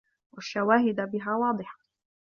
وَالشَّوَاهِدَ بِهَا وَاضِحَةٌ